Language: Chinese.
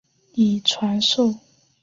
以传授牛若丸剑术的传说广为人知。